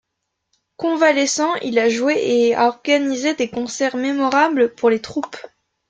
Convalescent, il a joué et a organisé des concerts mémorables pour les troupes.